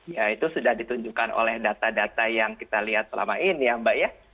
ya itu sudah ditunjukkan oleh data data yang kita lihat selama ini ya mbak ya